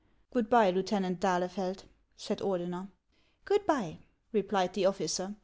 " Good by, Lieutenant d'Ahlefeld," said Ordener. " Good by," replied the officer.